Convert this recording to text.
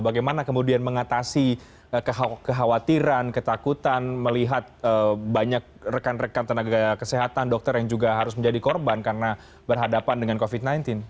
bagaimana kemudian mengatasi kekhawatiran ketakutan melihat banyak rekan rekan tenaga kesehatan dokter yang juga harus menjadi korban karena berhadapan dengan covid sembilan belas